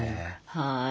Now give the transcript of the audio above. はい。